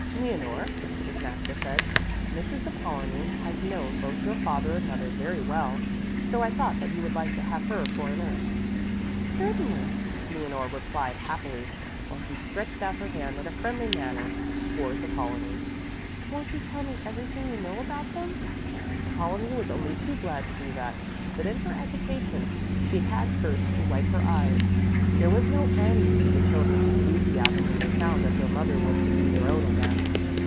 "Leonore," Mrs. Maxa said, "Mrs. Apollonie has known both your father and mother very well. So I thought that you would like to have her for a nurse." "Certainly," Leonore replied happily, while she stretched out her hand in a friendly manner towards Apollonie. "Won't you tell me everything you know about them?" Apollonie was only too glad to do that, but in her agitation she had first to wipe her eyes. There was no end to the children's enthusiasm when they found that their mother was to be their own again.